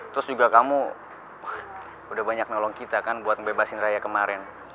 terus juga kamu udah banyak nolong kita kan buat ngebebasin raya kemarin